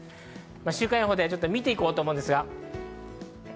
週間予報で見て行こうと思います。